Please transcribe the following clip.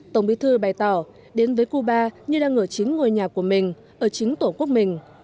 tổng bí thư bày tỏ đến với cuba như đang ở chính ngôi nhà của mình ở chính tổ quốc mình